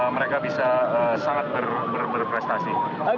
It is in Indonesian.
mereka bisa sangat berprestasi